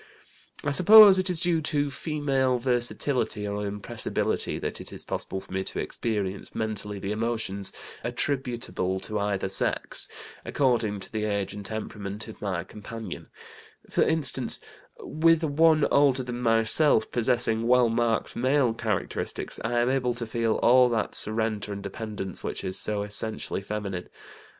"I suppose it is due to female versatility or impressibility that it is possible for me to experience mentally the emotions attributable to either sex, according to the age and temperament of my companion; for instance, with one older than myself, possessing well marked male characteristics, I am able to feel all that surrender and dependence which is so essentially feminine.